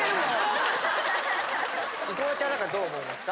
生駒ちゃんなんかはどう思いますか？